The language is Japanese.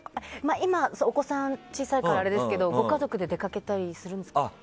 今、お子さん小さいからあれですけどご家族で出かけたりするんですか？